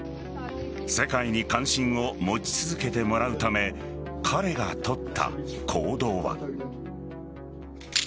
世界に関心を持ち続けてもらうため彼が取った行動は。